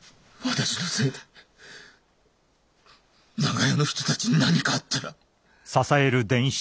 私のせいで長屋の人たちに何かあったら。